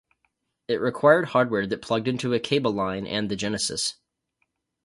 It required hardware that plugged into a cable line and the Genesis.